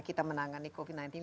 kita menangani covid sembilan belas